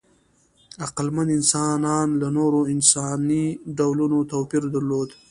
عقلمن انسانان له نورو انساني ډولونو توپیر درلود.